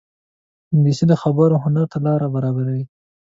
انګلیسي د خبرو هنر ته لاره برابروي